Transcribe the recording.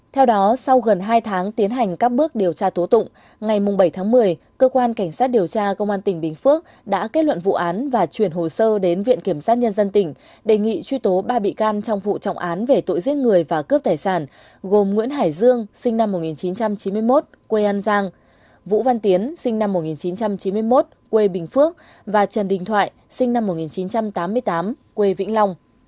theo đó sau gần hai tháng tiến hành các bước điều tra tố tụng ngày bảy tháng một mươi cơ quan cảnh sát điều tra công an tỉnh bình phước đã kết luận vụ án và chuyển hồ sơ đến viện kiểm sát nhân dân tỉnh đề nghị truy tố ba bị can trong vụ trọng án về tội giết người và cướp tài sản gồm nguyễn hải dương sinh năm một nghìn chín trăm chín mươi một quê an giang vũ văn tiến sinh năm một nghìn chín trăm chín mươi một quê bình phước và trần đình thoại sinh năm một nghìn chín trăm tám mươi tám quê vĩnh long